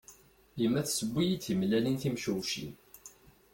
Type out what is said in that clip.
Yemma tseww-iyi-d timellalin timcewcin.